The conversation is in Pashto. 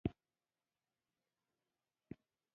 خپل نوکان پر وخت پرې کئ!